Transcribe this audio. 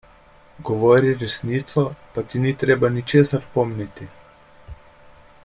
Govori resnico, pa ti ni treba ničesar pomniti.